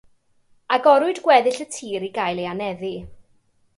Agorwyd gweddill y tir i gael ei anheddu.